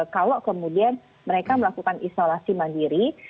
kalau kemudian mereka melakukan isolasi mandiri